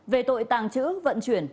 về tội tàng trữ vận chuyển